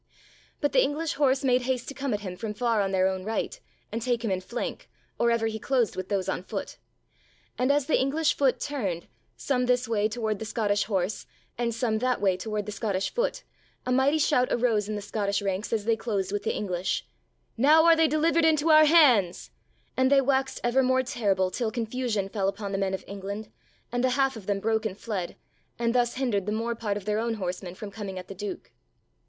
But the English horse made haste to come at him from far on their own right, and take him in flank, or ever he closed with those on foot. And as the English foot turned, some this way toward the Scottish horse, and some that way toward the Scottish foot, a mighty shout arose in the Scottish ranks as they closed with the English; "Now are they delivered into our hands," and they waxed ever more terrible till confusion fell upon the men of England and the half of them broke and fled and thus hindered the more part of their own horsemen from coming at the Duke.